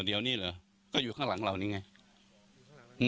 เดี๋ยวนี่เหรอก็อยู่ข้างหลังเรานี่ไงอยู่ข้างหลังเรานี่